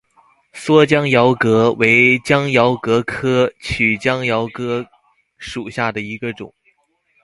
蓑江珧蛤为江珧蛤科曲江珧蛤属下的一个种。